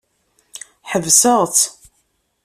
Ḥebseɣ-tt.